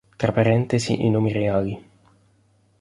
Tra parentesi i nomi reali.